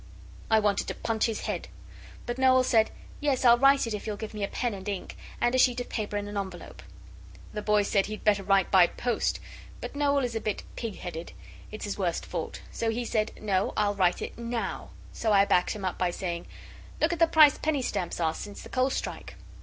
I wanted to punch his head. But Noel said, 'Yes, I'll write it if you'll give me a pen and ink, and a sheet of paper and an envelope.' The boy said he'd better write by post. But Noel is a bit pig headed; it's his worst fault. So he said 'No, I'll write it now.' So I backed him up by saying 'Look at the price penny stamps are since the coal strike!